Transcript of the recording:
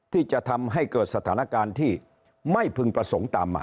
ที่จะทำให้เกิดสถานการณ์ที่ไม่พึงประสงค์ตามมา